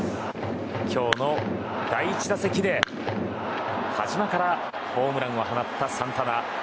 今日の第１打席で、田嶋からホームランを放ったサンタナ。